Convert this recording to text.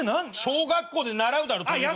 小学校で習うだろとび箱。